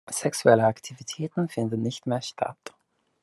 Sexuelle Aktivitäten finden nicht mehr statt.